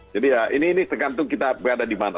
jadi ya ini ini tergantung kita berada di mana